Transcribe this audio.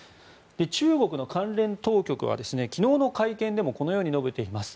中国の関連当局は昨日の会見でもこのように述べています。